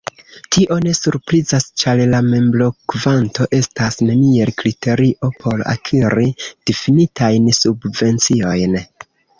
Tio ne surprizas ĉar la membrokvanto estas neniel kriterio por akiri difinitajn subvenciojn.